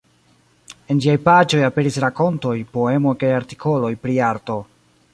En ĝiaj paĝoj aperis rakontoj, poemoj kaj artikoloj pri arto.